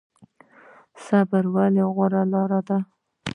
صبر ولې غوره لاره ده؟